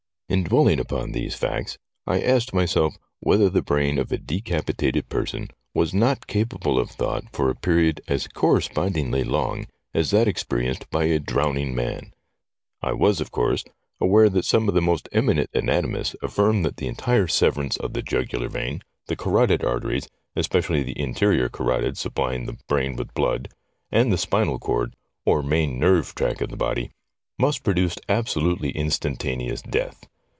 In dwelling upon these facts I asked myself whether the brain of a decapitated person was not capable of thought for a period as correspondingly long as that experienced by a drowning man. I was, of course, aware that some of the most eminent anatomists affirmed that the entire severance 70 STORIES WEIRD AND WONDERFUL of the jugular vein, the carotid arteries, especially the in ternal carotid supplying the brain with blood, and the spinal cord (or main nerve track of the body), must produce abso lutely instantaneous death.